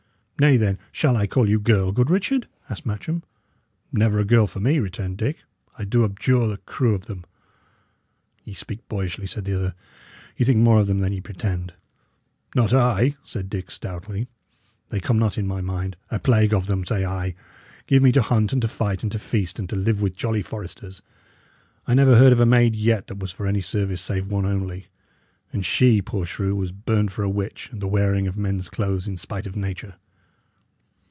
"Nay, then, shall I call you girl, good Richard?" asked Matcham. "Never a girl for me," returned Dick. "I do abjure the crew of them!" "Ye speak boyishly," said the other. "Ye think more of them than ye pretend." "Not I," said Dick, stoutly. "They come not in my mind. A plague of them, say I! Give me to hunt and to fight and to feast, and to live with jolly foresters. I never heard of a maid yet that was for any service, save one only; and she, poor shrew, was burned for a witch and the wearing of men's clothes in spite of nature."